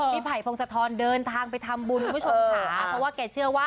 พี่ไผ่พงสธาร์ก็ปฏิ